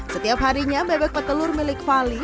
setiap harinya bebek petelur milik fali